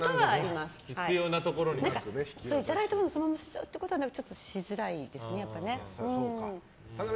いただいたものをそのまま捨てちゃうことはちょっとしづらいですよね。